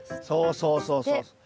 そうそうそうそう。